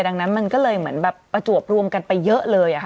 ดังนั้นมันก็เลยเหมือนแบบประจวบรวมกันไปเยอะเลยค่ะ